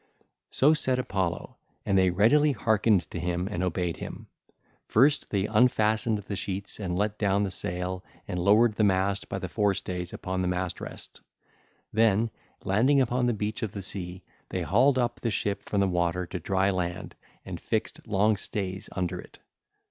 (ll. 502 523) So said Apollo. And they readily harkened to him and obeyed him. First they unfastened the sheets and let down the sail and lowered the mast by the forestays upon the mast rest. Then, landing upon the beach of the sea, they hauled up the ship from the water to dry land and fixed long stays under it.